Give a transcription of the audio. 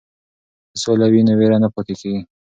که سوله وي نو وېره نه پاتې کیږي.